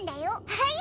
はい！